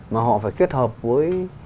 mà họ phải kết hợp với